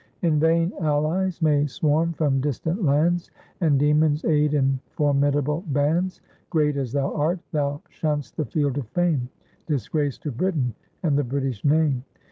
In vain allies may swarm from distant lands, And demons aid in formidable bands, Great as thou art, thou shun'st the field of fame, Disgrace to Britain and the British name!